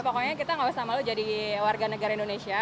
pokoknya kita gak usah malu jadi warga negara indonesia